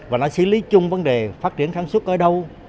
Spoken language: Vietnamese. và nó xử lý chung vấn đề phát triển kháng suất ở đâu